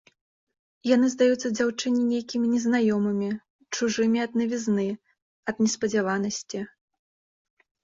Яны здаюцца дзяўчыне нейкімі незнаёмымі, чужымі ад навізны, ад неспадзяванасці.